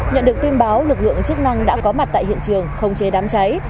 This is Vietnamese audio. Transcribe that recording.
nhận được tin báo lực lượng chức năng đã có mặt tại hiện trường không chế đám cháy